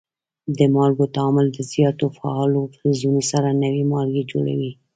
د مالګو تعامل د زیاتو فعالو فلزونو سره نوي مالګې جوړوي.